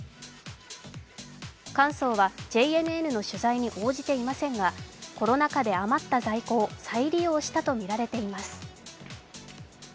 神宗はＪＮＮの取材に応じていませんが、コロナ禍で余った在庫を再利用したとみられています。